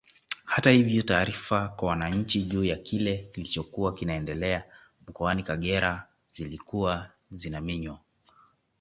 Hata hivyo taarifa kwa wananchi juu ya kile kilichokuwa kinaendelea mkoani Kagera zilikuwa zinaminywa